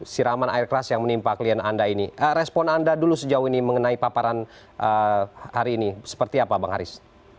siraman air keras yang menimpa klien anda ini respon anda dulu sejauh ini mengenai paparan hari ini seperti apa bang haris